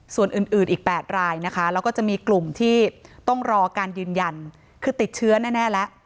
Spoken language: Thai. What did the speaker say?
ส่วนอื่นอีก๘รายนะคะแล้วก็จะมีกลุ่มที่ต้องรอการยืนยันคือติดเชื้อแน่แล้ว